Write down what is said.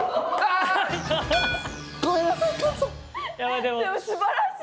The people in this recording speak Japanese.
でもすばらしい！